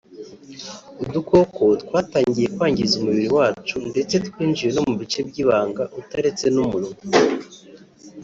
udukoko twatangiye kwangiza umubiri wabo ndetse twinjiye no mu bice by’ibanga utaretse n’umunwa